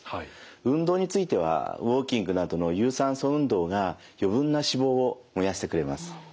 運動についてはウォーキングなどの有酸素運動が余分な脂肪を燃やしてくれます。